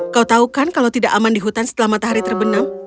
kau tahu kan kalau tidak aman di hutan setelah matahari terbenam